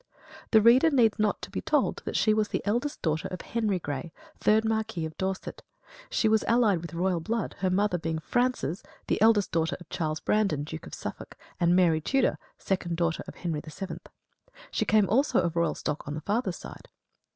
The reader needs not to be told that she was the eldest daughter of Henry Grey, third Marquis of Dorset. She was allied with royal blood, her mother being Frances the eldest daughter of Charles Brandon, Duke of Suffolk, and Mary Tudor, second daughter of Henry VII. She came also of royal stock on the father's side.